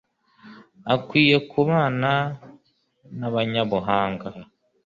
akwiye kubana n'abanyabuhanga